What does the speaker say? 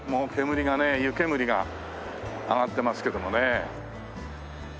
湯けむりが上がってますけどもね。